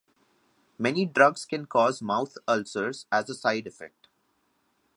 Many drugs can cause mouth ulcers as a side effect.